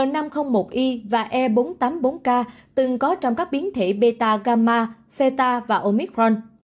n năm trăm linh một i và e bốn trăm tám mươi bốn k từng có trong các biến thể beta gamma theta và omicron